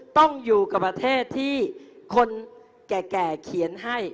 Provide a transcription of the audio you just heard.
ต้องอยู่กับประเทศที่คนแก่เขียนให้